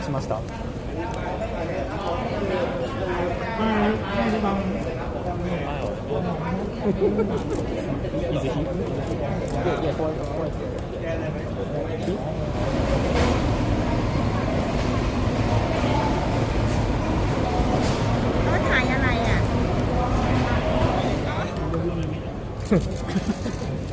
สวัสดีครับ